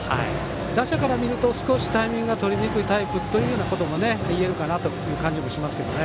打者から見ると少しタイミングがとりにくいタイプということも言えるかなという感じもしますけどね。